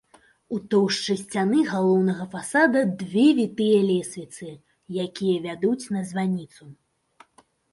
У тоўшчы сцяны галоўнага фасада две вітыя лесвіцы, якія вядуць на званіцу.